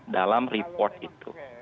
dalam report itu